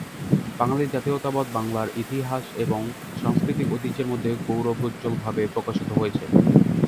বাঙালি জাতীয়তাবাদ বাংলার ইতিহাস এবং সাংস্কৃতিক ঐতিহ্যের মধ্যে গৌরবোজ্জ্বল ভাবে প্রকাশিত হয়েছে।